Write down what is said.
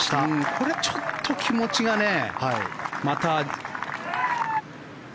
これでちょっと気持ちがまたね